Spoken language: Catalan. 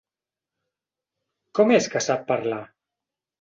Com és que sap parlar?